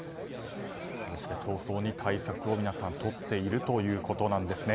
早々に対策を皆さんとっているということなんですね。